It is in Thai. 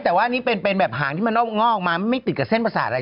ถูกหายแบบหางที่มันมงอกไม่ติดกับเส้นประสาทอะไร